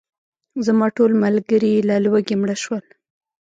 زما ټول ملګري له لوږې مړه شول.